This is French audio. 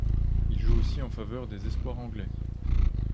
Il joue aussi en faveur des espoirs anglais.